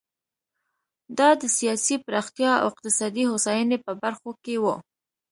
دا د سیاسي پراختیا او اقتصادي هوساینې په برخو کې و.